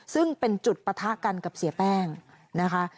ซึ่งเป็นจุดปะทะกันกับเสียแป้งนะคะ